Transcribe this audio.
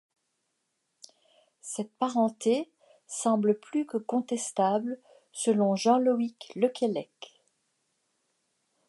Cette parenté semble plus que contestable selon Jean-Loïc Le Quellec.